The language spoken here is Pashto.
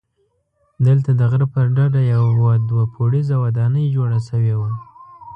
دلته د غره پر ډډه یوه دوه پوړیزه ودانۍ جوړه شوې وه.